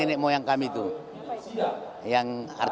dengan etis manda iling sekarang saja